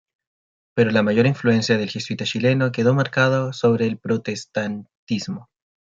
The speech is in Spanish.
Pero la mayor influencia del jesuita chileno quedó marcada sobre el protestantismo.